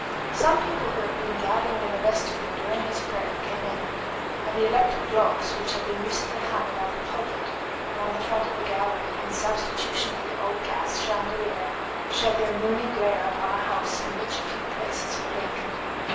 Some people who had been gathering in the vestibule during his prayer came in; and the electric globes, which had been recently hung above the pulpit and on the front of the gallery in substitution of the old gas chandelier, shed their moony glare upon a house in which few places were vacant.